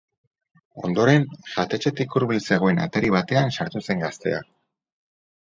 Ondoren jatetxetik hurbil zegoen atari batean sartu zen gaztea.